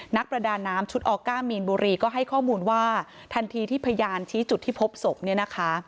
นักประดาน้ำชุดออก้ามีนบุรีก็ให้ข้อมูลว่าทันทีที่พยานชี้จุดที่พบศพเนี่ยนะคะ